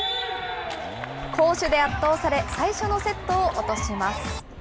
攻守で圧倒され、最初のセットを落とします。